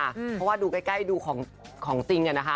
เพราะว่าดูใกล้ดูของจริงนะคะ